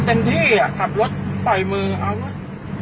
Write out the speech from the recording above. เต็มที่อ่ะขับรถปล่อยมือเอานะ